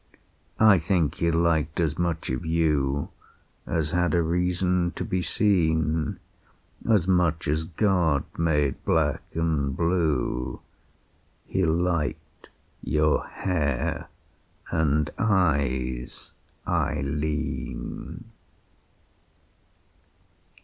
"I think he liked as much of you As had a reason to be seen, As much as God made black and blue. He liked your hair and eyes, Eileen."